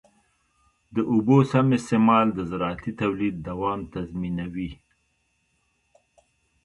د اوبو سم استعمال د زراعتي تولید دوام تضمینوي.